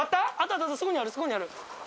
そこにあるそこにある。